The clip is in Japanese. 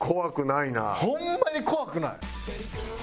ホンマに怖くない。